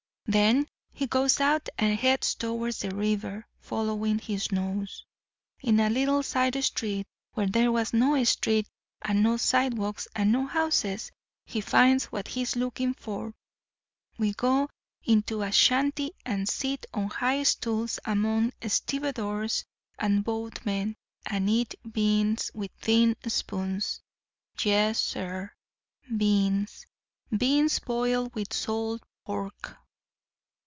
"Then he goes out and heads toward the river, following his nose. In a little side street, where there was no street and no sidewalks and no houses, he finds what he is looking for. We go into a shanty and sit on high stools among stevedores and boatmen, and eat beans with tin spoons. Yes, sir, beans—beans boiled with salt pork.